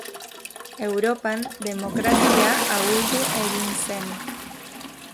Europan demokrazia ahuldu egin zen.